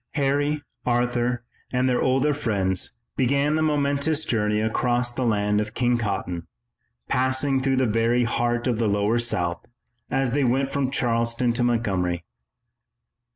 Harry, Arthur, and their older friends began the momentous journey across the land of King Cotton, passing through the very heart of the lower South, as they went from Charleston to Montgomery.